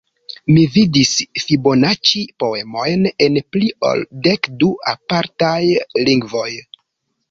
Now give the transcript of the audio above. Mi vidis fibonaĉi-poemojn en pli ol dek du apartaj lingvoj.